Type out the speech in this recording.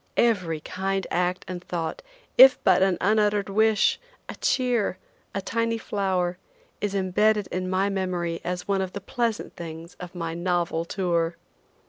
Every kind act and thought, if but an unuttered wish, a cheer, a tiny flower, is imbedded in my memory as one of the pleasant things of my novel tour.